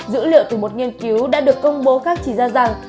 dữ liệu từ một nghiên cứu đã được công bố khác chỉ ra rằng